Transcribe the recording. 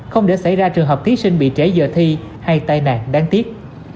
không để xảy ra trường hợp thí sinh bị trễ giờ thi hay tai nạn đáng tiếc